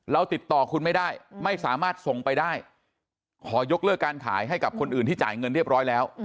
ติดต่อคุณไม่ได้ไม่สามารถส่งไปได้ขอยกเลิกการขายให้กับคนอื่นที่จ่ายเงินเรียบร้อยแล้ว